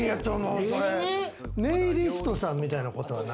ネイリストさんみたいなことはない？